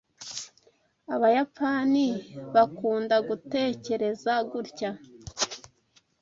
Abayapani bakunda gutekereza gutya